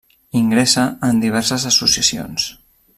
Ingressa en diverses associacions.